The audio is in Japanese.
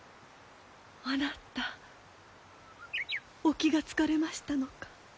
あなたお気が付かれましたのか。